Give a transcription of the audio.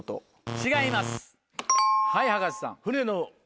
違います